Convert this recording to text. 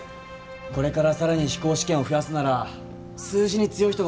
これから更に飛行試験を増やすなら数字に強い人がおると助かる。